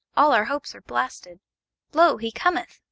all our hopes are blasted. Lo, he cometh!